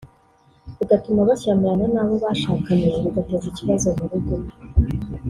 bigatuma bashyamirana n’abo bashakanye bigateza ikibazo mu rugo